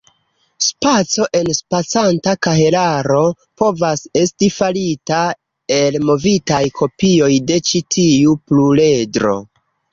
Spaco-enspacanta kahelaro povas esti farita el movitaj kopioj de ĉi tiu pluredro.